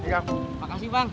terima kasih bang